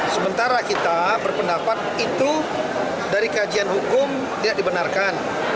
sementara kita berpendapat itu dari kajian hukum tidak dibenarkan